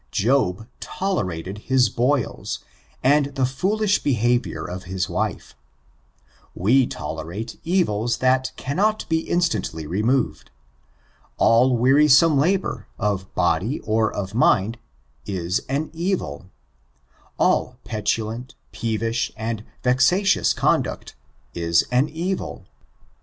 Job tolerated his boils, and the foolish behaviour of his wife. We tolerate evils that cannot be instantly removed. All wearisome labor, of ^^^fe^i^k^k#^^Mi^^Mi%^% 526 STBICTUBBS '' body or of mind, \s an eviL All petulant, peevish, aud vexatious conduct, is an evil.